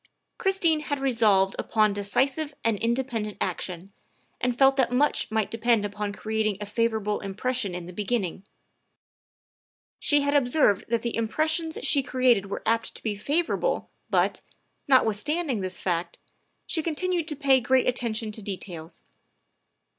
Christine had resolved upon decisive and independent action, and felt that much might depend upon creating a favorable impression in the beginning; she had observed that the impressions she created were apt to be favorable, but, notwithstanding this fact, she continued to pay great attention to details.